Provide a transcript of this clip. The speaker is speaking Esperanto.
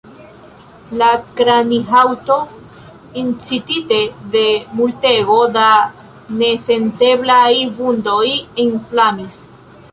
La kranihaŭto, incitite de multego da nesenteblaj vundoj, inflamis.